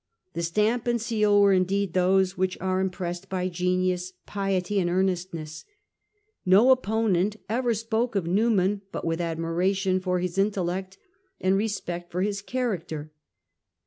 The stamp and seal were indeed, those which are impressed by genius, piety and earnestness. No opponent ever spoke of Newman but with admiration for his intellect and respect for his character.